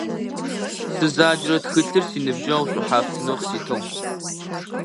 Сызаджэрэ тхылъыр синыбджэгъу шӀухьафтынэу къыситыгъ.